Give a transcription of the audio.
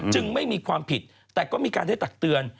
ไม่มีความผิดแต่ก็มีการให้ตักเตือน